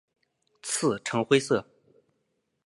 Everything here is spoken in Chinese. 刺呈灰色。